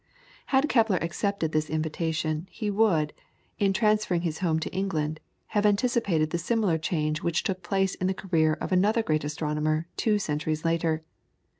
Had Kepler accepted this invitation, he would, in transferring his home to England, have anticipated the similar change which took place in the career of another great astronomer two centuries later.